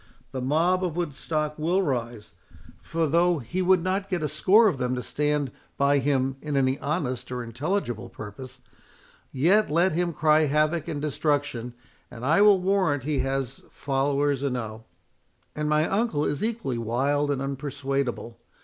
The mob of Woodstock will rise; for though he would not get a score of them to stand by him in any honest or intelligible purpose, yet let him cry havoc and destruction, and I will warrant he has followers enow. And my uncle is equally wild and unpersuadable.